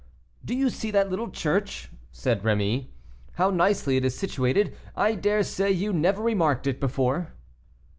"Do you see that little church?" said Rémy. "How nicely it is situated; I dare say you never remarked it before."